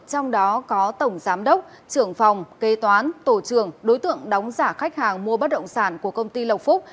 trong đó có tổng giám đốc trưởng phòng kế toán tổ trưởng đối tượng đóng giả khách hàng mua bất động sản của công ty lộc phúc